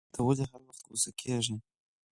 ته ولي هر وخت غوسه کیږی